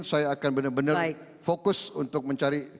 saya akan benar benar fokus untuk mencari